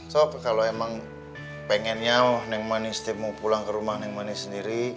sop kalau emang pengennya neng manis deh mau pulang ke rumah neng manis sendiri